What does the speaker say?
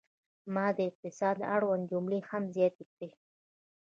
ما د اقتصاد اړوند جملې هم زیاتې کړې.